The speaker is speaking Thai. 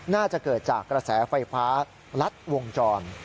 น่าจะเกิดจากกระแสไฟฟ้าลัดวงจร